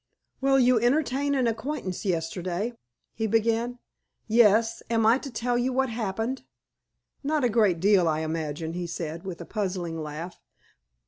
"Well, you entertained an acquaintance yesterday?" he began. "Yes. Am I to tell you what happened?" "Not a great deal, I imagine," he said, with a puzzling laugh.